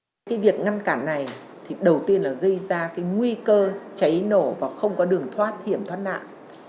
cái việc ngăn cản này thì đầu tiên là gây ra cái nguy cơ cháy nổ và không có đường thoát hiểm thoát nạn